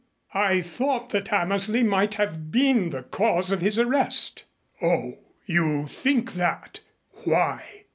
"I thought that Hammersley might have been the cause of his arrest." "Oh, you think that? Why?"